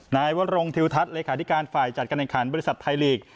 นายวรงทิวทัศน์เลขาธิการฝ่ายจัดการแห่งขันบริษัทไทยลีก